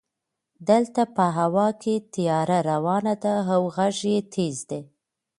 دلته په هوا کې طیاره روانه ده او غژ یې تېز ده.